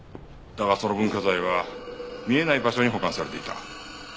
だがその文化財は見えない場所に保管されていた。